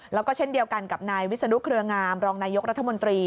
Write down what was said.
แล้วก็เช่นเดียวกันกับนายวิศนุเครืองามรองนายกรัฐมนตรี